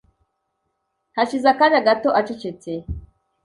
Hashize akanya gato acecetse,